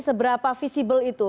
seberapa visibel itu